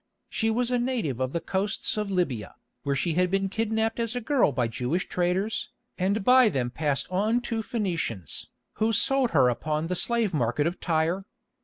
She was a native of the coasts of Libya, where she had been kidnapped as a girl by Jewish traders, and by them passed on to Phœnicians, who sold her upon the slave market of Tyre.